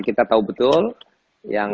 kita tahu betul yang